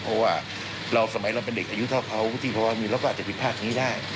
เพราะว่าเราสมัยเราเป็นเด็กอายุเท่าเขาปกติเพราะว่ามีแล้วก็อาจจะคลิปภาพอย่างนี้ได้